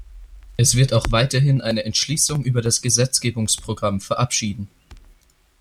Es wird auch weiterhin eine Entschließung über das Gesetzgebungsprogramm verabschieden.